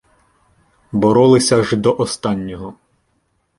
Боролися ж до останнього.